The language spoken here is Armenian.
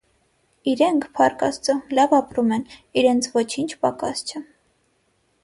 Իրենք, փառք աստծո, լավ ապրում են, իրենց ոչինչ պակաս չէ.